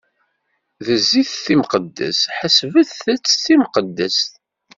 D zzit timqeddest, ḥesbet-tt d timqeddest.